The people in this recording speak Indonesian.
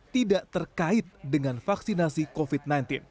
tidak terkait dengan vaksinasi covid sembilan belas